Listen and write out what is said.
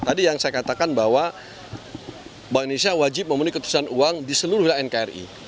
tadi yang saya katakan bahwa bank indonesia wajib memenuhi keputusan uang di seluruh wilayah nkri